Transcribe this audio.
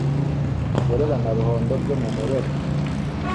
burera na ruhondo byo mu murera